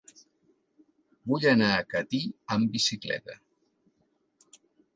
Vull anar a Catí amb bicicleta.